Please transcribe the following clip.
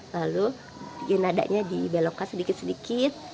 lalu nadanya dibelokkan sedikit sedikit